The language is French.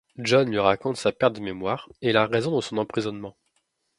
John lui raconte sa perte de mémoire et la raison de son enprisonnement.